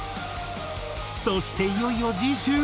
そしていよいよ次週。